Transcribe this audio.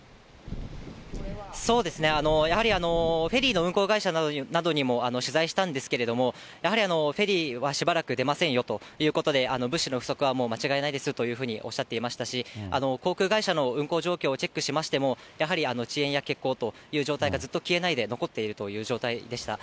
そうですね、やはりフェリーの運航会社などにも取材したんですけれども、やはりフェリーはしばらく出ませんよということで、物資の不足は間違いないですというふうにおっしゃっていましたし、航空会社の運航状況をチェックしましても、やはり遅延や欠航という状態がずっと消えないで残っているという状態でした。